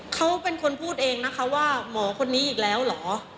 เขาเป็นคนพูดเองนะคะว่าหมอคนนี้อีกแล้วเหรอ